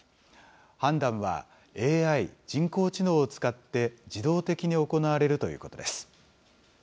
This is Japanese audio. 判断は、ＡＩ・人工知能を使って自動的に行われるということです。